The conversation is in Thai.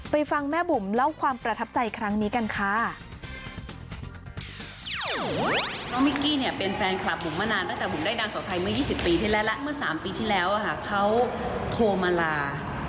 ๑๐ปีที่แล้วแล้วเมื่อ๓ปีที่แล้วเขาโทรมาลา